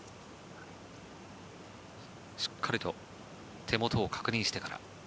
しっかりと手元を確認してから。